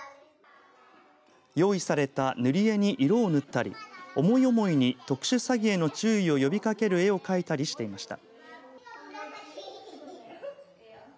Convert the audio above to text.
用意された塗り絵に色を塗ったり思い思いに特殊詐欺への注意を呼びかける絵を描いたりしていました。